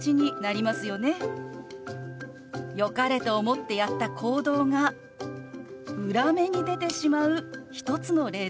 よかれと思ってやった行動が裏目に出てしまう一つの例です。